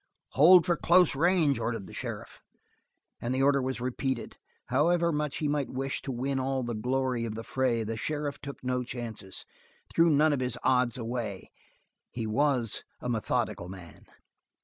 "Hold for close range" ordered the sheriff, and the order was repeated. However much he might wish to win all the glory of the fray, the sheriff took no chances threw none of his odds away. He was a methodical man.